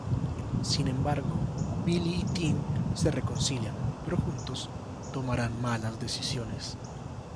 Sin embargo, Billy y Tim se reconcilian, pero juntos tomarán malas decisiones.